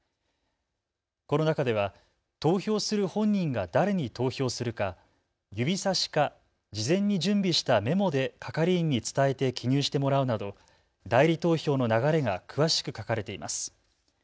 この中では投票する本人が誰に投票するか、指さしか事前に準備したメモで係員に伝えて記入してもらうなど代理投票の流れが詳しく書かれています。